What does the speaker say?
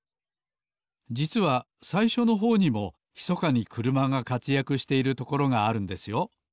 じつはさいしょのほうにもひそかにくるまがかつやくしているところがあるんですよ